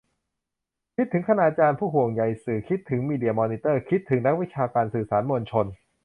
คิดถึง 'คณาจารย์ผู้ห่วงใยสื่อ' คิดถึง 'มีเดียมอนิเตอร์' คิดถึง 'นักวิชาการสื่อสารมวลชน'